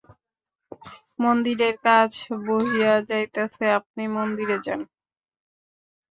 মন্দিরের কাজ বহিয়া যাইতেছে, আপনি মন্দিরে যান।